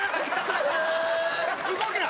動くな！